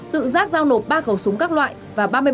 tự giác giao nộp ba khẩu súng các loại